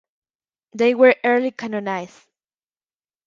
They were early canonized.